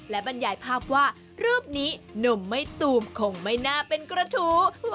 และบรรยายภาพว่ารูปนี้หนุ่มไม่ตูมคงไม่น่าเป็นกระทู้